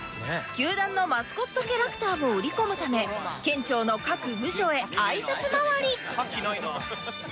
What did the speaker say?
球団のマスコットキャラクターを売り込むため県庁の各部署へあいさつ回り